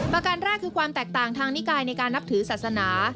การแรกคือความแตกต่างทางนิกายในการนับถือศาสนา